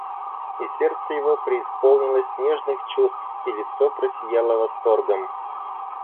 И сердце его преисполнилось нежных чувств, и лицо просияло восторгом.